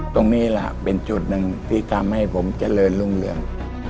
ตรงนี้แหละเป็นจุดหนึ่งที่ทำให้ผมเจริญรุ่งเรือง